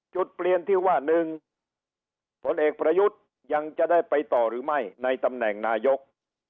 จุดเปลี่ยนที่ว่า๑ผลเอกประยุทธ์ยังจะได้ไปต่อหรือไม่ในตำแหน่งนายก